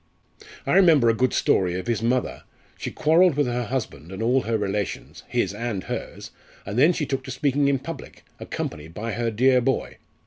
I remember a good story of his mother she quarrelled with her husband and all her relations, his and hers, and then she took to speaking in public, accompanied by her dear boy.